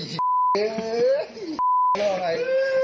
โห้ย